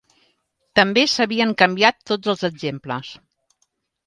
També s'havien canviat tots els exemples.